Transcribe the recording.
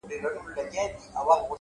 رښتیا تل بریا مومي،